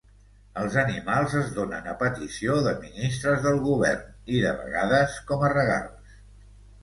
Els animals es donen a petició de ministres del govern i, de vegades, com a regals.